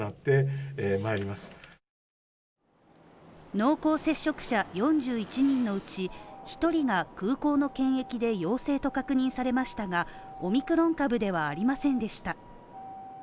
濃厚接触者４１人のうち１人が空港の検疫で陽性と確認されましたが、オミクロン株ではありませんでした。